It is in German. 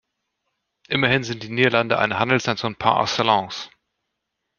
Immerhin sind die Niederlande eine Handelsnation par excellence.